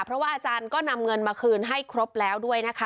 เพราะว่าอาจารย์ก็นำเงินมาคืนให้ครบแล้วด้วยนะคะ